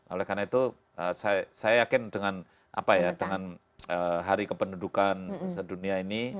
oleh karena itu saya yakin dengan apa ya dengan hari kependudukan sedunia ini